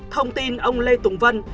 thông tin ông lê tùng vân